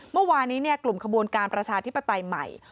เมื่อวานี้กลุ่มขบวนการประชาธิปไตยใหม่